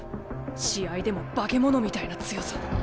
試合でもバケモノみたいな強さ。